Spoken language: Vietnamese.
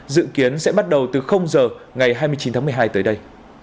dự kiến sẽ bắt đầu từ giờ ngày hai mươi chín tháng một mươi hai tới đây